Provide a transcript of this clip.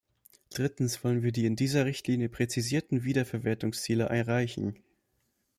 Drittens wollen wir die in dieser Richtlinie präzisierten Wiederverwertungsziele erreichen.